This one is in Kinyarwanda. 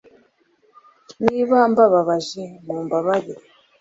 Niba mbababaje mumbabarire